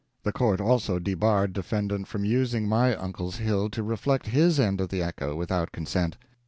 The court also debarred defendant from using my uncle's hill to reflect his end of the echo, without consent.